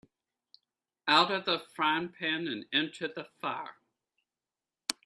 Out of the frying pan into the fire.